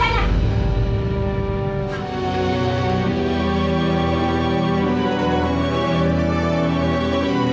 ayah bangun bangun